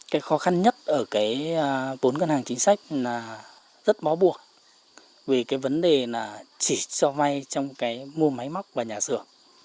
cái khó khăn nhất ở cái vốn ngân hàng chính sách là rất bó buộc về cái vấn đề là chỉ cho vay trong cái mua máy móc và nhà sửa